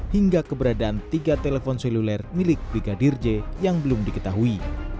hingga keberadaan tiga telepon seluler milik brigadir j yang belum diketahui